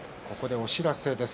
お知らせです。